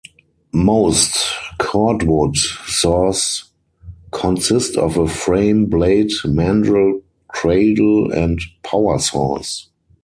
Most cordwood saws consist of a frame, blade, mandrel, cradle, and power source.